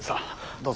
どうぞ。